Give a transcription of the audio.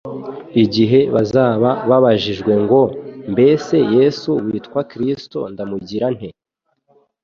Igihe bazaba babajijwe ngo : "Mbese Yesu witwa Kristo ndamugira nte?"